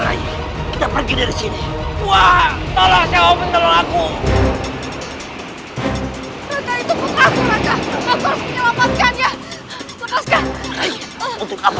lalu kita akan menerima balasan dari perbuatanmu